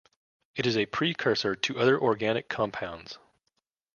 It is a precursor to other organic compounds.